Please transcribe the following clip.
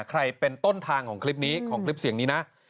ใครเป็นต้นทางของคลิปนี้ของคลิปเสียงนี้นะ